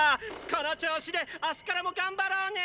この調子で明日からも頑張ろうね！